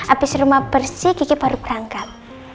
abis rumah bersih kiki baru berangkat